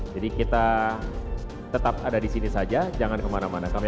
jadi kita tetap ada di sini saja jangan kemana mana kami akan kembali